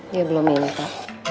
iya belum minta